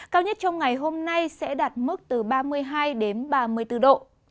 cao nhất trong ngày hôm nay sẽ đạt mức từ ba mươi hai đến ba mươi bốn độ